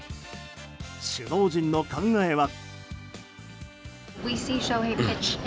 首脳陣の考えは。